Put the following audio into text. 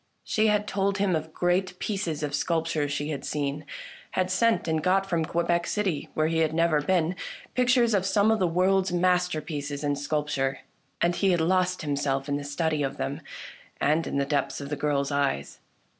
She had told him of great pieces of sculp ture she had seen, had sent and got from Quebec City, where he had never been, pictures of some of the world's masterpieces in sculpture, and he had lost him self in the study of them and in the depths of the girl's eyes.